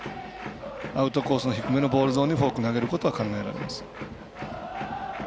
アウトコースの低めのボールゾーンにフォークを投げることは考えられます。